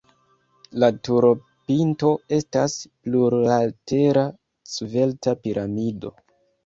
La turopinto estas plurlatera svelta piramido.